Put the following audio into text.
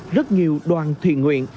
rất nhiều đoàn thiện nguyện